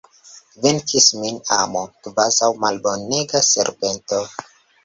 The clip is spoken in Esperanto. Venkis min amo, kvazaŭ malbonega serpento!